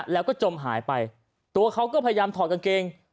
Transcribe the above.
แล้วก็จมหายไปตัวเขาก็พยายามถอดกางเกง